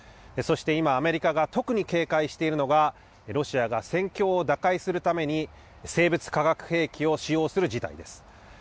そして今、アメリカが特に警戒しているのが、ロシアが戦況を打開するために、生物・化学兵器を使用する事態です。